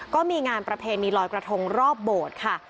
ก็มีงานประเพณีลอยกระทงรอบโบสถ์ค่ะ